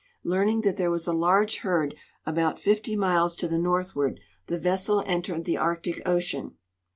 Learning that there was a large herd about 50 miles to the northward, the vessel entered the Arctic ocean.